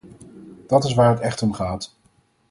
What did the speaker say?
Dat is waar het echt om gaat.